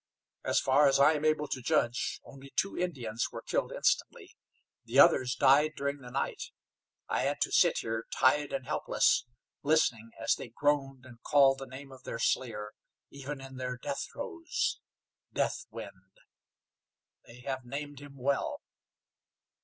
As far as I am able to judge, only two Indians were killed instantly. The others died during the night. I had to sit here, tied and helpless, listening as they groaned and called the name of their slayer, even in their death throes. Deathwind! They have named him well."